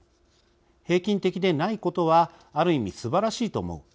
平均的でないことはある意味、すばらしいと思う。